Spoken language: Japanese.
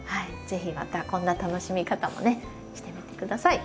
是非またこんな楽しみ方もねしてみて下さい。